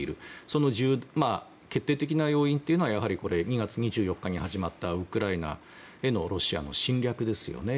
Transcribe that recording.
その決定的な要因というのは２月２４日に始まった、ウクライナへのロシアの侵略ですよね。